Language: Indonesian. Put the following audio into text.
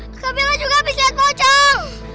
kak bella juga abis lihat pocong